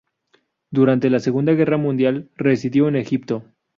Durante la Segunda Guerra Mundial residió en Egipto.